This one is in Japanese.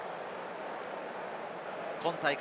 今大会